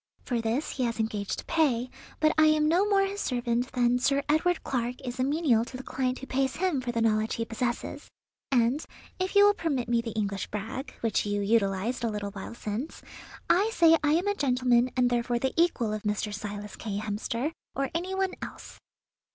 For this he has engaged to pay, but I am no more his servant than Sir Edward Clark is a menial to the client who pays him for the knowledge he possesses; and, if you will permit me the English brag, which you utilized a little while since, I say I am a gentleman and therefore the equal of Mr. Silas K. Hemster, or any one else."